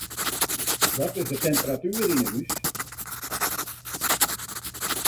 Wat is de temperatuer yn 'e hús?